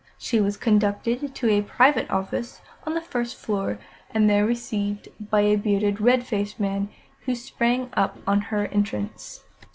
She was conducted to a private office on the first floor, and there received by a bearded, red faced man, who sprang up on her entrance.